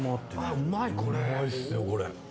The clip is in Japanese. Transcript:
うまいっすよ、これ。